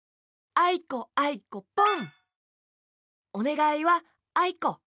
あいこあいこポン！